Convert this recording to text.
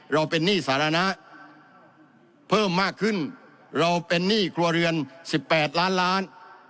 เราเป็นหนี้สาธารณะเพิ่มมากขึ้นเราเป็นหนี้ครัวเรือน๑๘ล้านล้าน